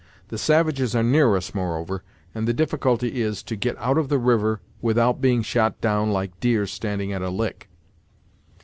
The savages are near us, moreover, and the difficulty is, to get out of the river without being shot down like deer standing at a lick!"